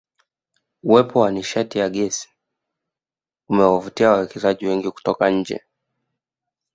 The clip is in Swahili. Uwepo wa nishati ya Gesi umewavutia wawekezaji wengi kutoka nje